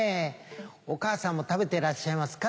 お母さんも食べてらっしゃいますか？